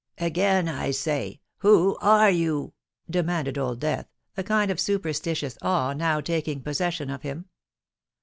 "Again I say, who are you?" demanded Old Death, a kind of superstitious awe now taking possession of him.